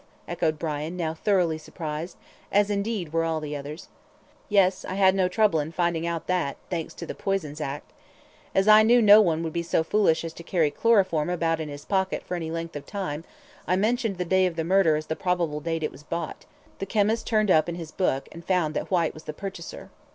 echoed Brian, now thoroughly surprised, as, indeed were all the others. "Yes. I had no trouble in finding out that, thanks to the 'Poisons Act.' As I knew no one would be so foolish as to carry chloroform about in his pocket for any length of time, I mentioned the day of the murder as the probable date it was bought. The chemist turned up in his book, and found that Whyte was the purchaser."